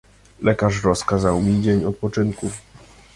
"Lekarz rozkazał mi dzień odpoczynku."